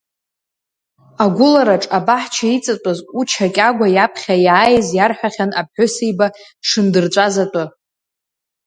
Агәылараҿ абаҳча иҵатәаз Уча Кьагәа иаԥхьа иааиз иарҳәахьан аԥҳәыс еиба дшындырҵәаз атәы.